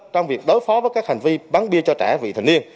trong việc đối phó với các hành vi bắn bia cho trẻ vị thành niên